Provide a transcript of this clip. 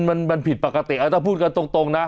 มันผิดปกติถ้าพูดกันตรงนะ